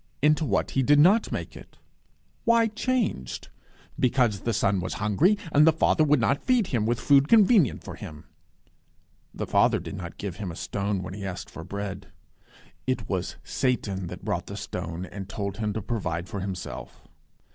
Into what he did not make it. Why changed? Because the Son was hungry, and the Father would not feed him with food convenient for him! The Father did not give him a stone when he asked for bread. It was Satan that brought the stone and told him to provide for himself.